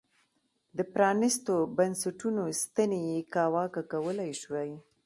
د پرانیستو بنسټونو ستنې یې کاواکه کولای شوای.